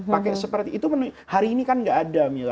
pake seperti itu hari ini kan gak ada